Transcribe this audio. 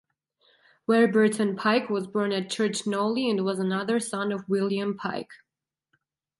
Warburton Pike was born at Church Knowle and was another son of William Pike.